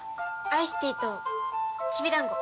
アイスティーときびだんご。